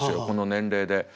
この年齢で。